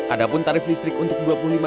ada pun tarif listrik untuk dua puluh lima